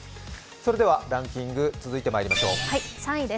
それではランキング続いてまいりましょう。